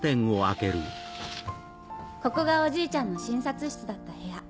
ここがおじいちゃんの診察室だった部屋。